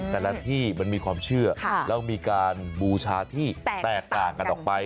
แต่ละที่มันมีความเชื่อแล้วมีการบูชาที่แตกต่างกันออกไป